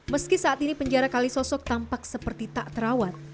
meski saat ini penjara kalisosok tampak seperti tak terawat